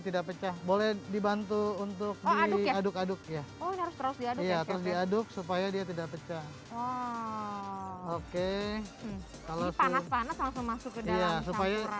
tidak pecah boleh dibantu untuk maju diaduk aduk ya ya terus diaduk supaya dia tidak pecah oke yang